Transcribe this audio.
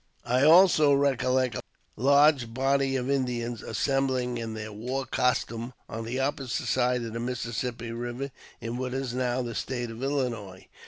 I also recollect a large body of Indians assembling in their war costume on the opposite side of the Mississippi Eiver, in what is now the State of Illinois.